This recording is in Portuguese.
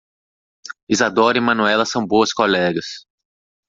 Isadora e Manuela são boas colegas.